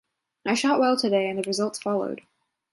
I shot well today and the results followed.